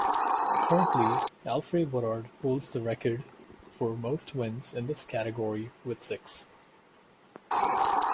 Currently, Alfre Woodard holds the record for most wins in this category with six.